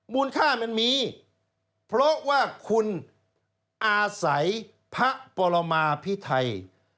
มูลค่ามันมีเพราะว่าคุณอาศัยพระปรมาพิไทย